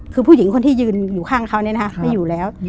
คือผู้หญิงคนที่ยืนอยู่ข้างเขาไม่อยู่แล้ว